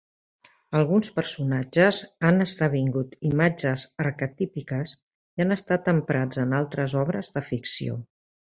Alguns personatges han esdevingut imatges arquetípiques i han estat emprats en altres obres de ficció.